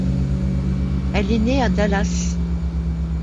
Elle est née à Dallas.